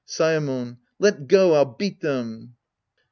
Saemon. Let go. I'll beat them.